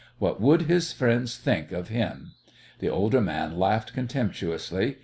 What would his friends think of him? The older man laughed contemptuously.